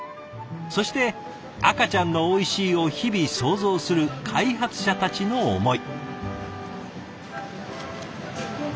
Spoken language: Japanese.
そして赤ちゃんの「おいしい」を日々想像する開発者たちの思い。